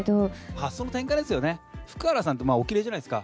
発想の転換ですよね、福原さんって、まあ、おきれいじゃないですか。